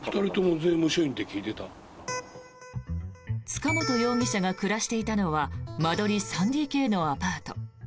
塚本容疑者が暮らしていたのは間取り３ＤＫのアパート。